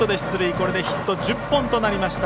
これでヒット１０本となりました。